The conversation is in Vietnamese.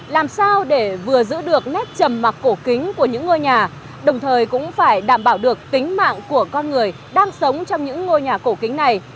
làm sao để vừa giữ được nét trầm mặc cổ kính của những ngôi nhà đồng thời cũng phải đảm bảo được tính mạng của con người đang sống trong những ngôi nhà cổ kính này